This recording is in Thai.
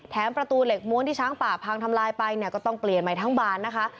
ประตูเหล็กม้วนที่ช้างป่าพังทำลายไปเนี่ยก็ต้องเปลี่ยนใหม่ทั้งบานนะคะ